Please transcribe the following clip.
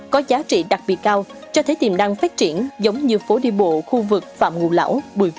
có giá trị đặc biệt cao cho thấy tiềm năng phát triển giống như phố đi bộ khu vực phạm ngũ lão